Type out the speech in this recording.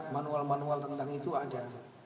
manual manual tentang itu ada